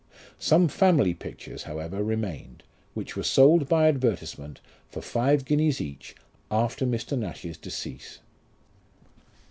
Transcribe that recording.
Some family pictures, however, remained, which were sold by advertisement, for five guineas each, after Mr. Nash's decease.